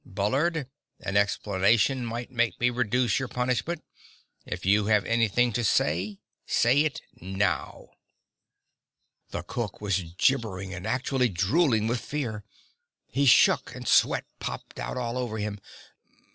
"Bullard, an explanation might make me reduce your punishment. If you have anything to say, say it now!" The cook was gibbering and actually drooling with fear. He shook, and sweat popped out all over him.